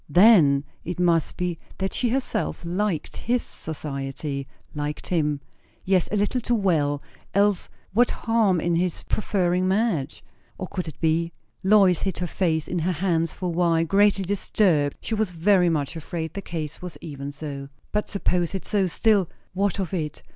Then, it must be that she herself liked his society liked him yes, a little too well; else what harm in his preferring Madge? O, could it be? Lois hid her face in her hands for a while, greatly disturbed; she was very much afraid the case was even so. But suppose it so; still, what of it?